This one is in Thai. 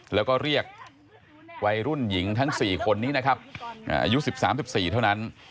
แล้วก็เรียกวัยรุ่นหญิงทั้งสี่คนนี้นะครับอายุสิบสามสิบสี่เท่านั้น